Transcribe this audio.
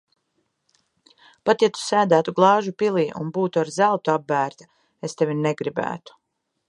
Pat ja Tu sēdētu glāžu pilī un būtu ar zeltu apbērta, es tevi negribētu.